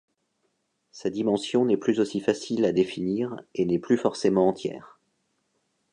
Sa dimension n'est plus aussi facile à définir et n'est plus forcément entière.